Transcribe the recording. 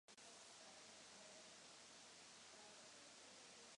Byl sem opakovaně volen.